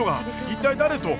一体誰と？